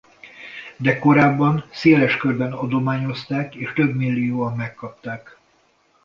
De korábban széles körben adományozták és több millióan megkapták.